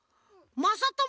まさとも！